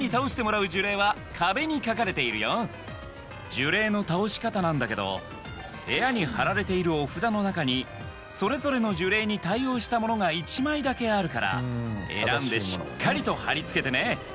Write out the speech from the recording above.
呪霊の倒し方なんだけど部屋に貼られているお札の中にそれぞれの呪霊に対応したものが１枚だけあるから選んでしっかりと貼り付けてね。